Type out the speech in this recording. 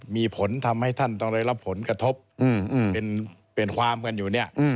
มีผลทำให้ท่านต้องได้รับผลกระทบเป็นความกันอยู่เนี่ย